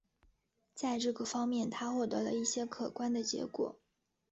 在这个方面他获得了一些可观的结果。